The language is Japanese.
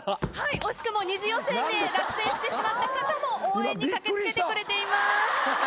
惜しくも２次予選で落選してしまった方も応援に駆け付けてくれています。